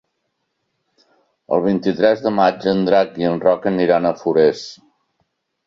El vint-i-tres de maig en Drac i en Roc aniran a Forès.